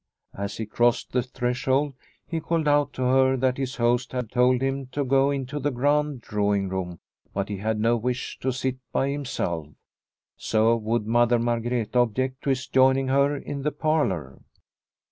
As he crossed the threshold he called out to her that his host had told him to go into the grand drawing room, but he had no wish to sit by himself, so would Mother Margreta object to his joining her in the parlour